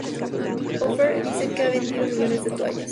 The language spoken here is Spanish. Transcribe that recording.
Offer dice que ha vendido millones de toallas.